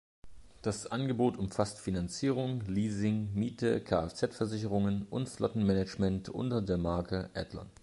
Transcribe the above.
Das Angebot umfasst Finanzierung, Leasing, Miete, Kfz-Versicherungen und Flottenmanagement unter der Marke Athlon.